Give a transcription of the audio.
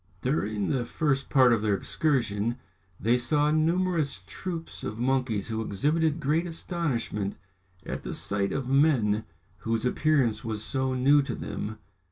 During the first part of their excursion, they saw numerous troops of monkeys who exhibited great astonishment at the sight of men, whose appearance was so new to them.